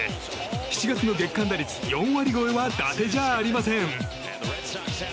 ７月の月間打率４割超えは伊達じゃありません。